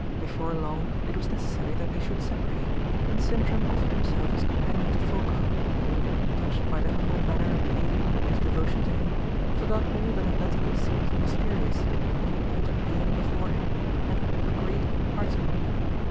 Before long it was necessary that they should separate, and Sintram offered himself as companion to Folko, who, touched by the humble manner of the youth, and his devotion to him, forgot all that had latterly seemed mysterious in the pale altered being before him, and agreed heartily.